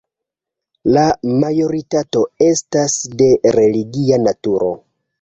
La majoritato estas de religia naturo.